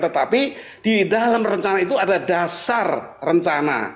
tetapi di dalam rencana itu ada dasar rencana